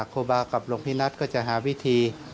ครูบากับหลวงพี่นัทก็จะหาวิธี